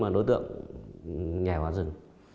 đối tượng nhảy vào rừng